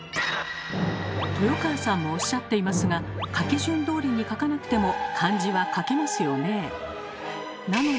豊川さんもおっしゃっていますが書き順どおりに書かなくても漢字は書けますよねえ。